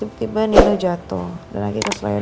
tiba tiba nino jatuh